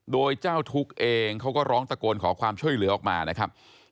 โดยเจ้าทุกข์เองเขาก็ร้องตะโกนขอความช่วยเหลือออกมานะครับ